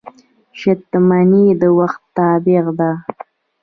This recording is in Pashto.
• شتمني د وخت تابع ده.